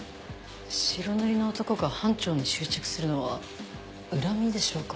白塗りの男が班長に執着するのは恨みでしょうか？